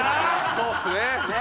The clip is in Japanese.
そうですね。